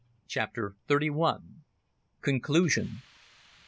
CHAPTER THIRTY ONE. CONCLUSION.